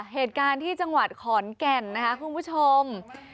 เหตุการณ์ที่จังหวัดขอนแก่นนะคะคุณผู้ชม